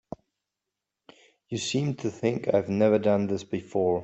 You seem to think I've never done this before.